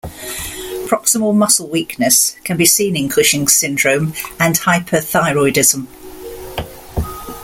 Proximal muscle weakness can be seen in Cushing's syndrome and hyperthyroidism.